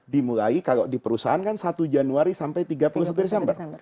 dimulai kalau di perusahaan kan satu januari sampai tiga puluh satu desember